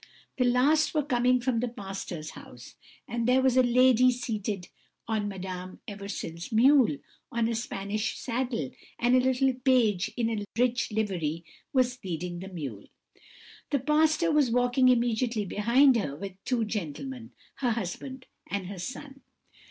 These last were coming from the pastor's house; and there was a lady seated on Madame Eversil's mule, on a Spanish saddle, and a little page in a rich livery was leading the mule. The pastor was walking immediately behind her with two gentlemen, her husband and her son.